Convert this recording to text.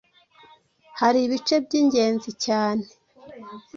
Hari ibice by’ingenzi cyane